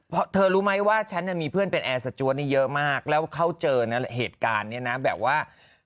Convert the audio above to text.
เพราะเธอรู้ไหมว่าฉันมีเพื่อนเป็นแอร์สจวดนี่เยอะมากแล้วเขาเจอนะเหตุการณ์เนี่ยนะแบบว่า